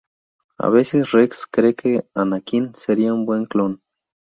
A veces Rex cree que Anakin sería un buen clon.